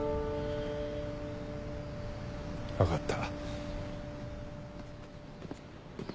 分かった。